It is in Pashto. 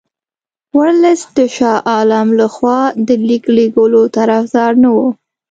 ورلسټ د شاه عالم له خوا د لیک لېږلو طرفدار نه وو.